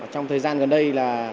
trong thời gian gần đây là